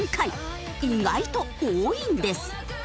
意外と多いんです。